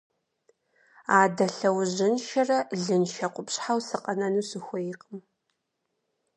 Адэ лъэужьыншэрэ лыншэ къупщхьэу сыкъэнэну сыхуейкъым.